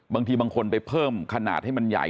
บางทีบางคนไปเพิ่มขนาดให้มันใหญ่